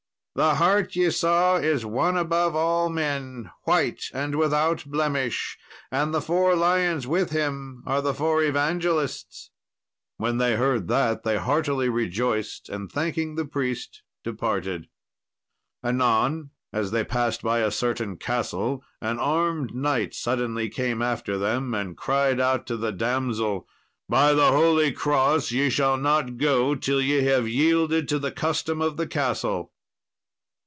The hart ye saw is One above all men, white and without blemish, and the four lions with Him are the four evangelists." When they heard that they heartily rejoiced, and thanking the priest, departed. Anon, as they passed by a certain castle, an armed knight suddenly came after them, and cried out to the damsel, "By the holy cross, ye shall not go till ye have yielded to the custom of the castle."